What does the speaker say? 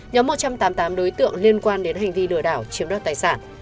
nhóm một trăm tám mươi tám đối tượng liên quan đến hành vi lừa đảo chiếm đoạt tài sản